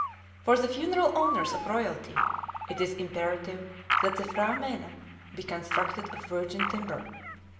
For the funeral honors of royalty it is imperative that the P'hra mène be constructed of virgin timber.